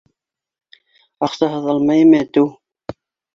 — Аҡсаһыҙ алмайым әтеү!